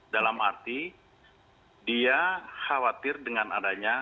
dalam arti dia khawatir dengan adanya